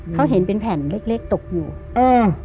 เขาเห็นเป็นแผ่นเล็กตกอยู่เออ